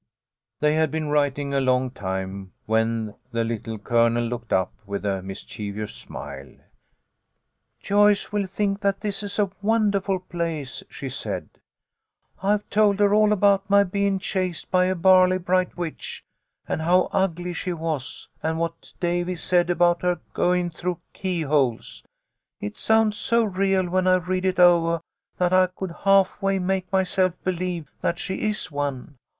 THEY had been writing a long time, when the Little Colonel looked up with a mischievous smile. "Joyce will think that this is a wondahful place," she said. "I've told her all about my bein' chased by a Barley bright witch, and how ugly she was, and what Davy said about her goin' through keyholes. It sounds so real when I read it ovah that I could half way make myself believe that she is one.